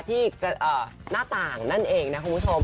ที่หน้าต่างนั่นเองนะคุณผู้ชม